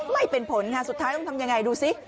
ไม่เป็นผลค่ะสุดท้ายต้องทำยังไงดูสิ